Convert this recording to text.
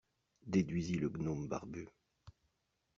Déduisit le gnome barbu.